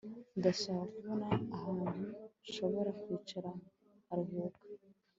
Ndashaka kubona ahantu nshobora kwicara nkaruhuka